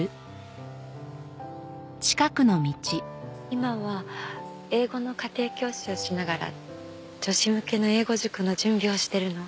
今は英語の家庭教師をしながら女子向けの英語塾の準備をしてるの。